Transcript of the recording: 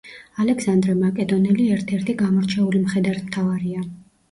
ალექსანდრე მაკედონელი ერთ ერთი გამორჩეული მხედართმთავარია